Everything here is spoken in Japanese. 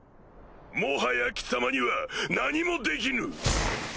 もはや貴様には何もできぬ。